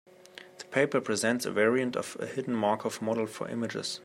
The paper presents a variant of a hidden Markov model for images.